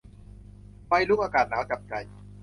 ไฟลุก อากาศหนาวจับใจ